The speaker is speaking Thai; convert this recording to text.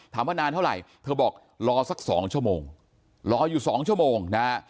ถามว่านานเท่าไหร่เธอบอกรอสักสองชั่วโมงรออยู่สองชั่วโมงนะ